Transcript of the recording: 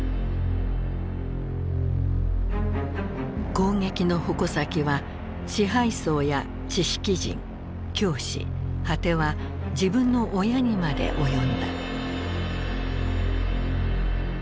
攻撃の矛先は支配層や知識人教師果ては自分の親にまで及んだ。